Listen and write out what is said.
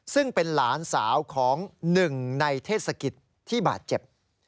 ซึ่งเป็นหลานสาวของหนึ่งในเทศกิจที่บาดเจ็บ